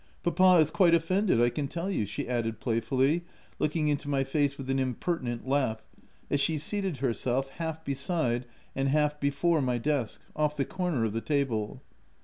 Papa is quite offended I can tell you," she added playfully, looking into my face with an imper tinent laugh, as she seated herself, half beside and half before my desk, off the corner of the table.